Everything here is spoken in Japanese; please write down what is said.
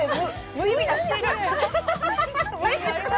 無意味なスチール！